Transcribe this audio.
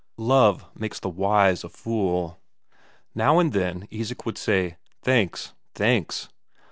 Love makes the wise a fool: now and then Isak would say "Thanks, thanks."